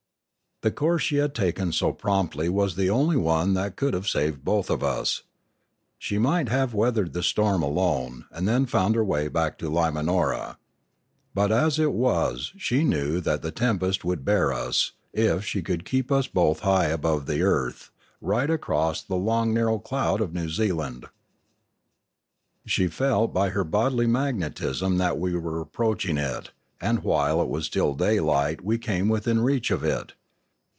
The course she had taken so promptly was the only one that could have saved both of us. She might have weathered the storm alone, and then found her way back to Limanora. But as it was she knew that the tempest would bear us, if she could keep us both high above the earth, right across the long narrow cloud of New Zealand. She felt by her bodily magnetism that we were ap proaching it, and while it was still daylight we came within reach of it.